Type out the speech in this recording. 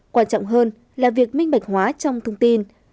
quan trọng hơn là việc minh bạch hóa trong thông tin